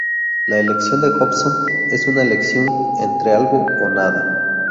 La elección de Hobson es una elección entre algo o nada.